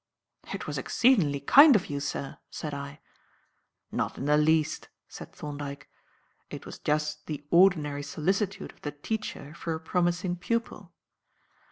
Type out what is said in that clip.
"It was exceedingly kind of you, sir," said I. "Not in the least," said Thorndyke. "It was just the ordinary solicitude of the teacher for a promising pupil.